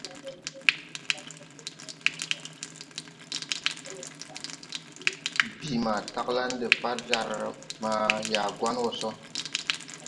Bìi ma taglan de far jar ma Yagouan wɔ sɔ.